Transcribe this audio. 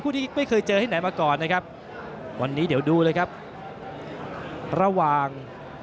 ที่ไม่เคยเจอที่ไหนมาก่อนนะครับวันนี้เดี๋ยวดูเลยครับระหว่าง